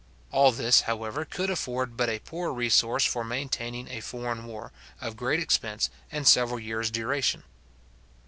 All this, however, could afford but a poor resource for maintaining a foreign war, of great expense, and several years duration.